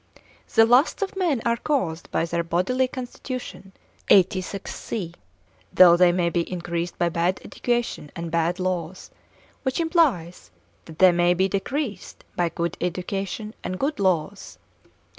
The lusts of men are caused by their bodily constitution, though they may be increased by bad education and bad laws, which implies that they may be decreased by good education and good laws.